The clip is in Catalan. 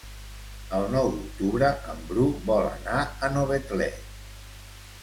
El nou d'octubre en Bru vol anar a Novetlè.